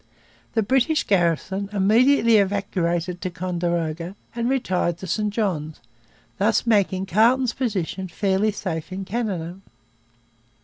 The British garrison immediately evacuated Ticonderoga and retired to St Johns, thus making Carleton's position fairly safe in Canada.